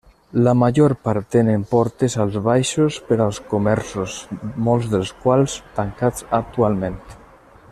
La major part tenen portes als baixos per als comerços, molts dels quals tancats actualment.